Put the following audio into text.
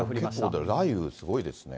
結構、雷雨すごいですね。